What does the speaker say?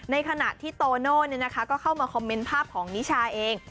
ในขณะที่โตโน่ก็เข้ามาคอมเมนต์ภาพของนิชาเอง